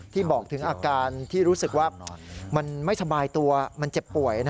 บอกถึงอาการที่รู้สึกว่ามันไม่สบายตัวมันเจ็บป่วย